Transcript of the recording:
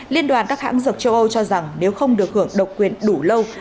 liên đoàn các hãng dược châu âu cho rằng nếu không được hưởng độc quyền đủ lâu